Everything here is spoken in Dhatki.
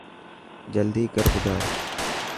جلدي ڪر ٻڌا.